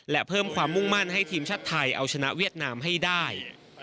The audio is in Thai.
และเพิ่มความมุ่งมั่นให้ทีมชาติไทยเอาชนะเวียดนามให้ได้